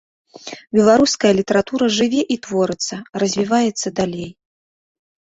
Беларуская літаратура жыве і творыцца, развіваецца далей.